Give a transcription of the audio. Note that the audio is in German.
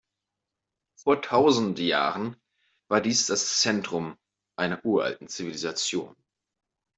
Vor tausend Jahren war dies das Zentrum einer uralten Zivilisation.